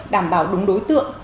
đảm bảo đúng đối tượng